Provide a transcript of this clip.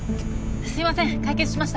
すいません解決しました。